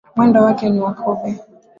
Mwendo wake ni wa kobe.